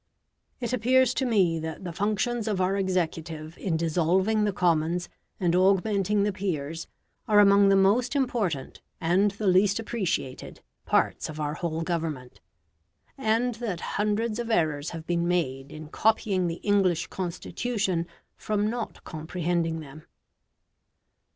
It appears to me that the functions of our executive in dissolving the Commons and augmenting the Peers are among the most important, and the least appreciated, parts of our whole government, and that hundreds of errors have been made in copying the English Constitution from not comprehending them.